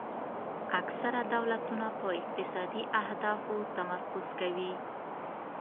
اکثره دولتونه په اقتصادي اهدافو تمرکز کوي